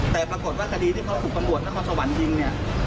แต่ปรากฏว่าคดีที่เขาถูกตำรวจนครสวรรค์ยิงเนี่ย